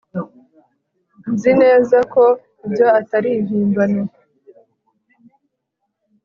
Nzi neza ko ibyo atari impimbano